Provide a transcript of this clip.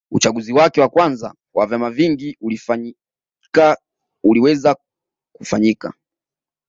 Uchaguzi wake wa kwanza wa vyama vingi ulifanyika uliweza kufanyika